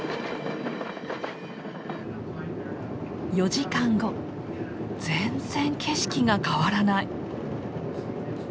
４時間後全然景色が変わらない。